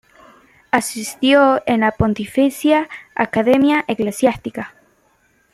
Asistió en la Pontificia Academia Eclesiástica.